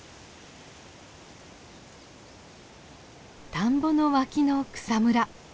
田んぼの脇の草むら。